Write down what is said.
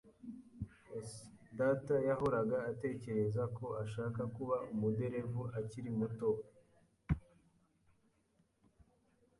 [S] Data yahoraga atekereza ko ashaka kuba umuderevu akiri muto.